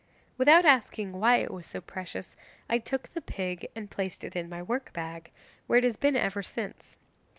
'Without asking why it was so precious I took the pig and placed it in my work bag, where it has been ever since.